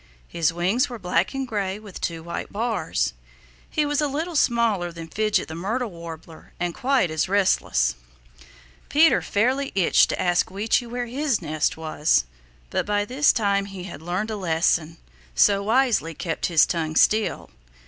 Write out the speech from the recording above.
His wings were black and gray with two white bars. He was a little smaller than Fidget the Myrtle Warbler and quite as restless. Peter fairly itched to ask Weechi where his nest was, but by this time he had learned a lesson, so wisely kept his tongue still.